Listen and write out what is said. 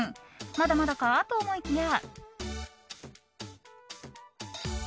まだまだか？と思いきや。